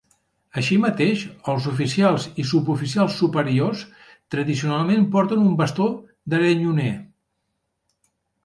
Així mateix, els oficials i suboficials superiors tradicionalment porten un bastó d'aranyoner.